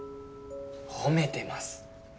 褒めてます。